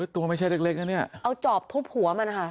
ตัวไม่ใช่เล็กนะเนี่ยเอาจอบทุบหัวมันค่ะ